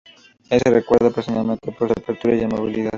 Se le recuerda personalmente por su apertura y amabilidad.